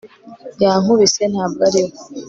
yankubise, ntabwo ari we